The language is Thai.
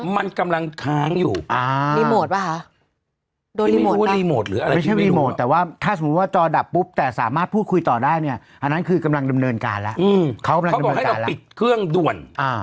มันกำลังดำเนินการแล้วเขาก็บอกให้เราปิดเครื่องด้วน